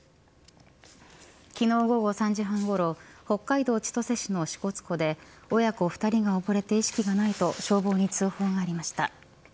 昨日午後３時半ごろ北海道千歳市の支笏湖で親子２人が溺れて意識がないと消防に通報がありました。